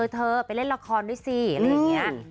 เธอไปเล่นละครด้วยสิอะไรอย่างนี้